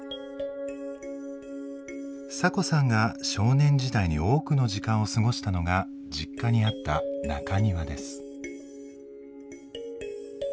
サコさんが少年時代に多くの時間を過ごしたのが実家にあった中庭です。